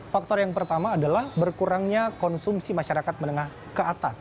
faktor yang pertama adalah berkurangnya konsumsi masyarakat menengah ke atas